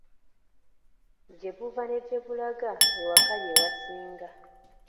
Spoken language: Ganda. Ggye buva ne gye bulaga ewaka ye wasinga.